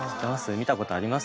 見たことあります？